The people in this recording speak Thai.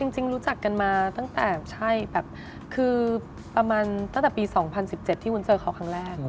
จริงรู้จักกันมาตั้งแต่ใช่แบบคือประมาณตั้งแต่ปี๒๐๑๗ที่วุ้นเจอเขาครั้งแรก